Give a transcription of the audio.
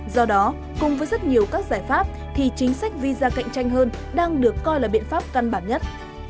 do đó cùng với rất nhiều các giải pháp thì chính sách visa cạnh tranh hơn đang được coi là biện pháp căn bản nhất